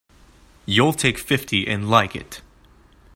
You'll take fifty and like it!